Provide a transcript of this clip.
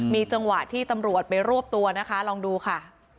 มีจังหวะที่ตำรวจไปรวบตัวนะคะลองดูค่ะ